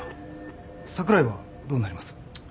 櫻井はどうなります？